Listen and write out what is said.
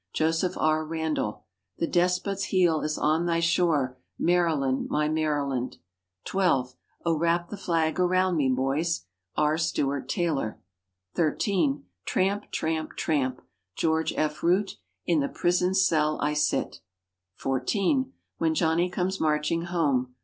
Joseph R. Randall. "The despot's heel is on thy shore, Maryland, my Maryland." (12) Oh, Wrap the Flag Around Me, Boys. R. Stewart Taylor. (13) Tramp, Tramp, Tramp. George F. Root. "In the prison cell I sit." (14) When Johnny Comes Marching Home.